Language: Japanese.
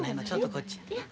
ちょっとこっち。